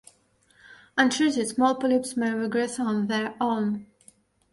Untreated, small polyps may regress on their own.